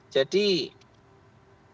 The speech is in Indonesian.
jadi penegakan hukum itu juga harus ditegakkan